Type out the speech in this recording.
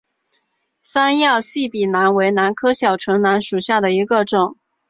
三药细笔兰为兰科小唇兰属下的一个种。